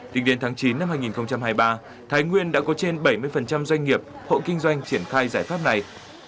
tính đến tháng chín năm hai nghìn hai mươi ba thái nguyên đã có trên bảy mươi doanh nghiệp hộ kinh doanh triển khai giải pháp này